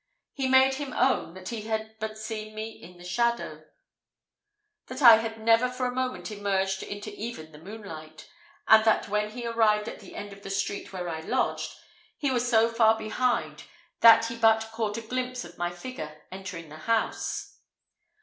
He made him own that he had but seen me in the shadow; that I had never for a moment emerged into even the moonlight; and that when he arrived at the end of the street where I lodged, he was so far behind that he but caught a glimpse of my figure entering the house.